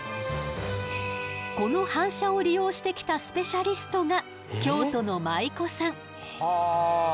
この反射を利用してきたスペシャリストが京都のはあ。